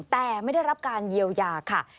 แต่ไม่ได้รับการเยียวยาค่ะ